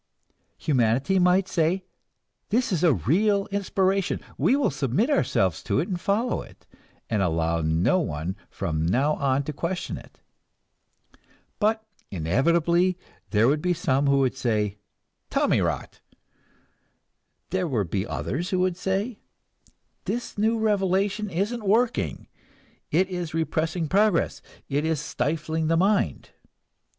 Humanity might say, this is a real inspiration, we will submit ourselves to it and follow it, and allow no one from now on to question it. But inevitably there would be some who would say, "Tommyrot!" There would be others who would say, "This new revelation isn't working, it is repressing progress, it is stifling the mind."